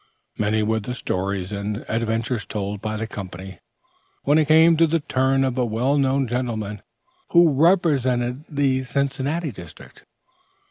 Many were the stories and adventures told by the company, when it came to the turn of a well known gentleman who represented the Cincinnati district.